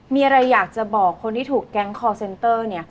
มีอะไรอยากจะบอกคนที่ถูกแก๊งคอร์เซนเตอร์